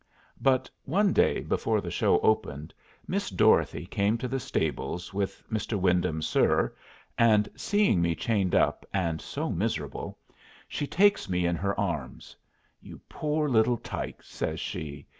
But one day, before the Show opened, Miss Dorothy came to the stables with "Mr. Wyndham, sir," and seeing me chained up and so miserable, she takes me in her arms. "You poor little tyke!" says she.